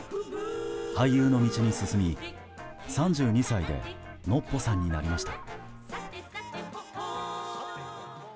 俳優の道に進み、３２歳でノッポさんになりました。